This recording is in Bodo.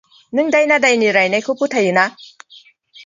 नों दायना दायनि रायनायखौ फोथायो ना?